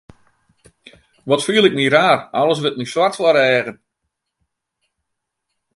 Wat fiel ik my raar, alles wurdt my swart foar de eagen.